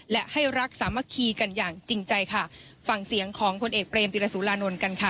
และให้รักสามัคคีกันอย่างจริงใจค่ะฟังเสียงของพลเอกเบรมติรสุรานนท์กันค่ะ